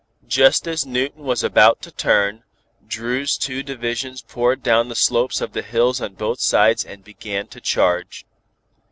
Just as Newton was about to turn, Dru's two divisions poured down the slopes of the hills on both sides and began to charge.